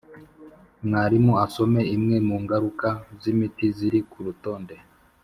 mwarimu asome imwe mu ngaruka zʼ imiti ziri ku rutonde